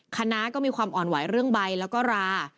คณะก็มีความอ่อนไหวเรื่องใบแล้วก็รา